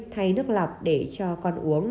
thay nước lọc để cho con uống